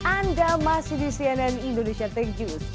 anda masih di cnn indonesia tech news